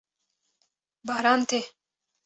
Baran tê.